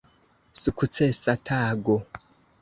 Sukcesa tago!